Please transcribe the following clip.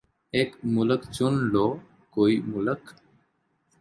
ایک مُلک چُن لو کوئی مُلک